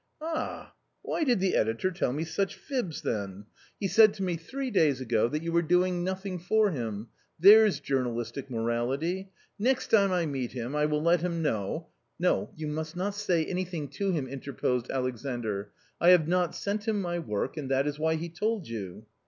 "Ah! why did the editor tell me such fibs then? He \\ 68 A COMMON STORY said to me three days ago that you were doing nothing for him — there's journalistic morality ! Next time I meet him I will let him know. ..." "No, you must not say anything to him," interposed Alexandr ;" I have not sent him my work, and that is why he told you."